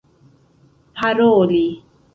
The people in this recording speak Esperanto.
paroli